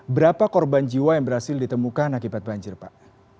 berapa korban jiwa yang berhasil ditemukan akibat banjir pak